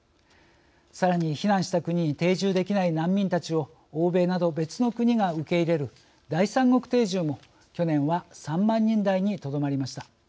さらに、避難した国に定住できない難民たちを欧米など別の国が受け入れる第三国定住も去年は３万人台にとどまりました。